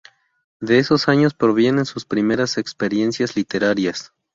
De esos años provienen sus primeras experiencias literarias.